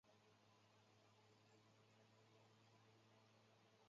血清肌酸酐及尿素氮可能会增加肾损害的进展。